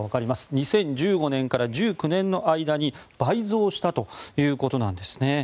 ２０１５年から２０１９年の間に倍増したということなんですね。